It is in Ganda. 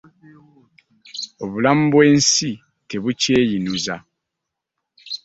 Obulamu bw'ensi tebukweyinuza.